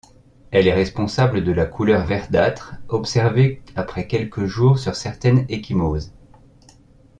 Elle est responsable de la couleur verdâtre observée après quelques jours sur certaines ecchymoses.